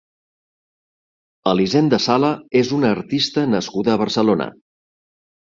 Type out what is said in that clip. Elisenda Sala és una artista nascuda a Barcelona.